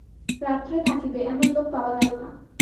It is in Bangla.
রাত্রে থাকিবে, এমন লোক পাওয়া গেল না।